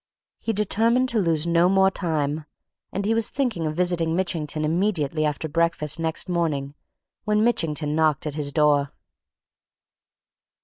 He determined to lose no more time and he was thinking of visiting Mitchington immediately after breakfast next morning when Mitchington knocked at his door.